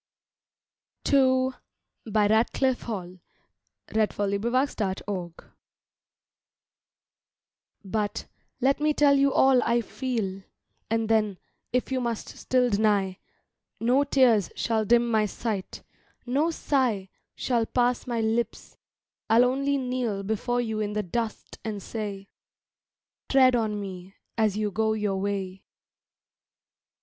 h while still there's by One bird to sing? TO —— But, let me tell you all I feel, And then, if you must still deny No tears shall dim my sight, no sigh Shall pass my lips, I'll only kneel Before you in the dust and say, "Tread on me, as you go your way."